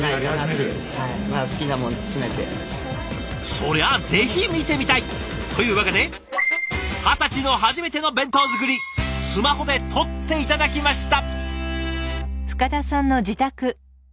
そりゃぜひ見てみたい！というわけで二十歳の初めての弁当作りスマホで撮って頂きました！